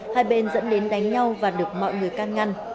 hai bên dẫn đến đánh nhau và được mọi người can ngăn